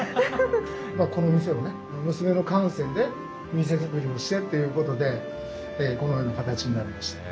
まあこの店をね娘の感性で店作りをしてっていうことでこのような形になりました。